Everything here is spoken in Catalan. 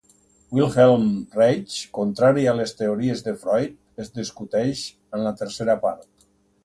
Wilhelm Reich, contrari a les teories de Freud, es discuteix en la tercera part.